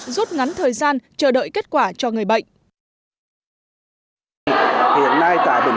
rút ngắn thời gian chờ đợi kết quả cho người bệnh